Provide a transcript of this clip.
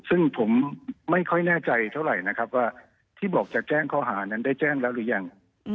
ซึ่งผมไม่ค่อยแน่ใจเท่าไหร่นะครับว่าที่บอกจะแจ้งข้อหานั้นได้แจ้งแล้วหรือยัง